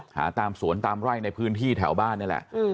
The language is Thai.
หาตามสวนตามไร่ในพื้นที่แถวบ้านนี่แหละ